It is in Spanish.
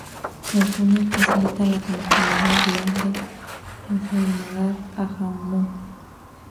El túnel facilita la conectividad vial de Srinagar a Jammu.